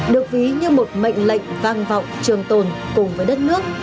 được ví như một mệnh lệnh vang vọng trường tồn cùng với đất nước